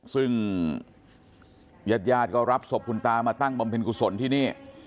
ซึ่งญาติญาติก็รับศพคุณตามาตั้งบำเพ็ญกุศลที่นี่